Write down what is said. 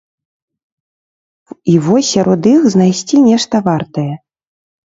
І вось сярод іх знайсці нешта вартае.